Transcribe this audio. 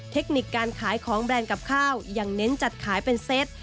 เทคนิคการขายของแบรนด์กับข้าวยังเน้นจัดขายเป็นเซต